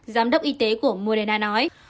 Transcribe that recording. giám đốc y tế của moderna nói